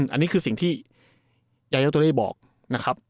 อันนี้คือสิ่งที่ยายาตุเล่บอกนะครับ